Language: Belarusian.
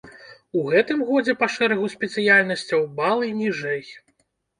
У гэтым годзе па шэрагу спецыяльнасцяў балы ніжэй.